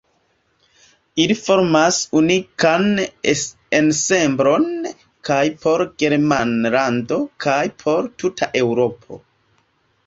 Ili formas unikan ensemblon kaj por Germanlando kaj por tuta Eŭropo.